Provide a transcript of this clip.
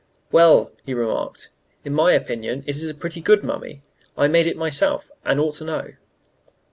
"Well," he remarked, "in my opinion, it is a pretty good mummy. I made it myself, and ought to know."